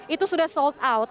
itu sudah sold out